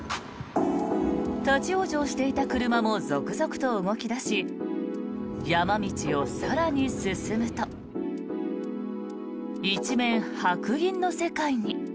立ち往生していた車も続々と動き出し山道を更に進むと一面、白銀の世界に。